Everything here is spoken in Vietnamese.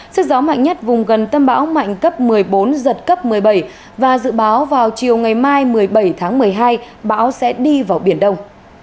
sức gió mạnh nhất vùng gần tâm bão mạnh cấp một mươi bốn giật cấp một mươi bảy và dự báo vào chiều ngày mai một mươi bảy tháng một mươi hai bão sẽ đi vào biển đông